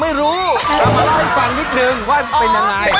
ไม่รู้เรามาเล่าให้ฟังนิดนึงว่าเป็นยังไง